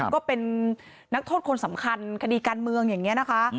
ก็เป็นนักโทษคนสำคัญคดีการเมืองอย่างนี้นะคะ